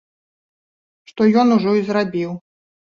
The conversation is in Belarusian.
Што ён ужо і зрабіў.